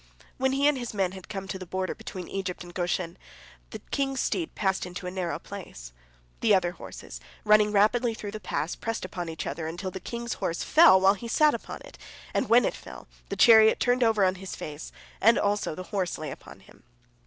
When he and his men had come to the border between Egypt and Goshen, the king's steed passed into a narrow place. The other horses, running rapidly through the pass, pressed upon each other until the king's horse fell while he sate upon it, and when it fell, the chariot turned over on his face, and also the horse lay upon him.